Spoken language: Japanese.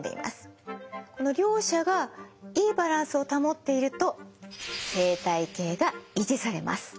この両者がいいバランスを保っていると生態系が維持されます。